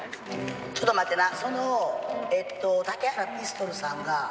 ちょっと待ってな。